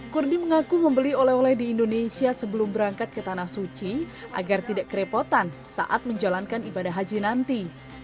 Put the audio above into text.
kurdi mengaku membeli oleh oleh di indonesia sebelum berangkat ke tanah suci agar tidak kerepotan saat menjalankan ibadah haji nanti